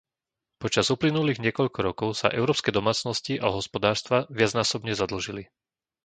Počas uplynulých niekoľko rokov sa európske domácnosti a hospodárstva viacnásobne zadlžili.